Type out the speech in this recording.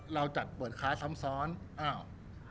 เราจัดเปิดค้าซ้ำซ้อนอ้าว